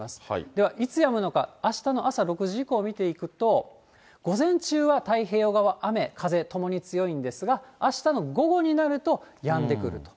では、いつやむのか、あしたの朝６時以降、見ていくと、午前中は、太平洋側、雨、風ともに強いんですが、あしたの午後になるとやんでくると。